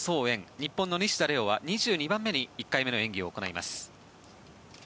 日本の西田玲雄は２２番目に１回目の演技を行います。